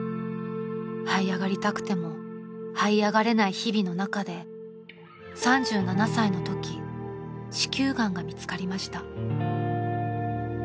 ［はい上がりたくてもはい上がれない日々の中で３７歳のとき子宮がんが見つかりました］